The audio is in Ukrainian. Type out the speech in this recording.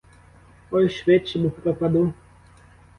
Ой, швидше, бо пропаду.